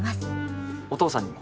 お父さんにも。